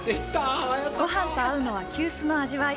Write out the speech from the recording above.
ご飯に合うのは急須の味わい。